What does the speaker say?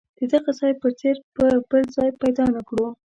د دغه ځای په څېر به بل ځای پیدا نه کړو.